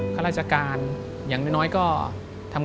โกรธที่เขามารอครับ